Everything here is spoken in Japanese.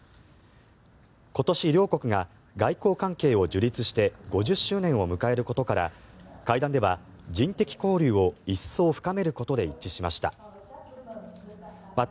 今年、両国が外交関係を樹立して５０周年を迎えることから会談では人的交流を一層深めることで一致しました。